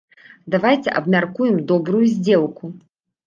Давайце абмяркуем добрую здзелку!